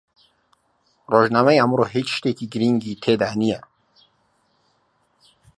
ڕۆژنامەی ئەمڕۆ هیچ شتێکی گرنگی تێدا نییە.